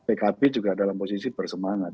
pkb juga dalam posisi bersemangat